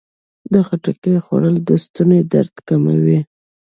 د خټکي خوړل د ستوني درد کموي.